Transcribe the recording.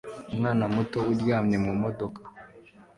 Umwana muto uryamye mumodoka